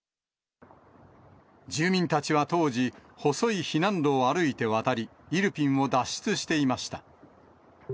住民たちは当時、細い避難路を歩いて渡り、イルピンを脱出していました。